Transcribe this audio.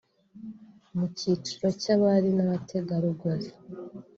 Mu cyiciro cy’abali n’abategarugori